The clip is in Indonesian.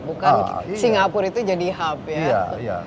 bukan singapura itu jadi hub ya